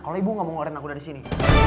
kalau ibu gak mau ngeluarin aku dari sini